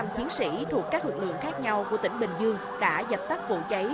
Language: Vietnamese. một trăm linh chiến sĩ thuộc các lực lượng khác nhau của tỉnh bình dương đã dập tắt vụ cháy